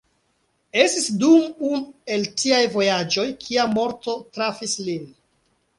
Estis dum unu el tiaj vojaĝoj kiam morto trafis lin.